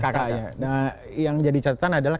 kakak ya nah yang jadi catetan adalah